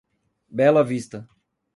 Bela Vista